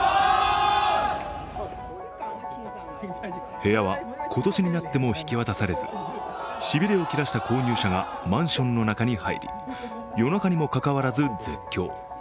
部屋は今年になっても引き渡されずしびれを切らした購入者がマンションの中に入り、夜中にもかかわらず絶叫。